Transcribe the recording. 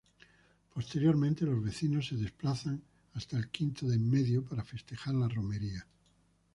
Posteriormente, los vecinos se desplazan hasta el Quinto de Enmedio para festejar la romería.